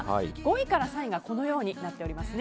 ５位から３位がこのようになっています。